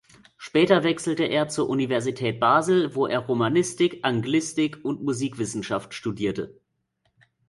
Später wechselte er zur Universität Basel, wo er Romanistik, Anglistik und Musikwissenschaft studierte.